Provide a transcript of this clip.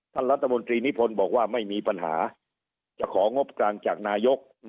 ท่านรัฐมนตรีนิพนธ์บอกว่าไม่มีปัญหาจะของงบกลางจากนายก